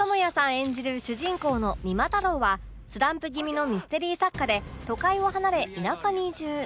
演じる主人公の三馬太郎はスランプ気味のミステリー作家で都会を離れ田舎に移住